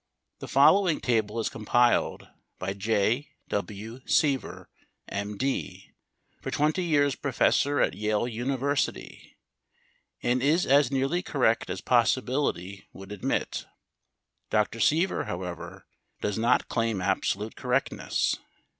The following table is compiled by Jay W. Seaver, M. D., for 20 years professor at Yale University, and is as nearly correct as possibility would admit. Dr. Seaver, however, does not claim absolute correctness.